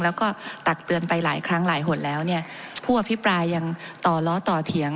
แล้วก็ตักเตือนไปหลายครั้งหลายหนแล้วเนี่ยผู้อภิปรายยังต่อล้อต่อเถียง